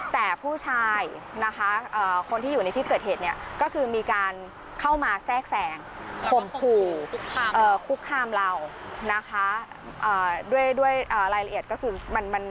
แต่ผู้ชายนะคะคนที่อยู่ในที่เกิดเหตุเนี่ยก็คือมีการเข้ามาแซ่งขุมผูกข้ามเรานะคะ